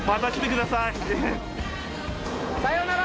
さようなら！